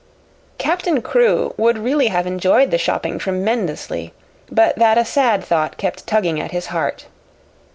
Captain Crewe would really have enjoyed the shopping tremendously, but that a sad thought kept tugging at his heart.